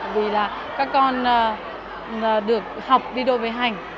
vì là các con được học đi đôi với hành